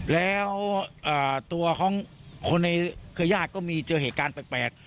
แล้วตัวของคนในเครือญาติก็มีเจอเหตุการณ์แปลก